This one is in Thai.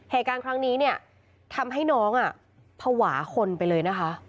เหตุการณ์ครั้งนี้เนี่ยทำให้น้องภาวะคนไปเลยนะคะ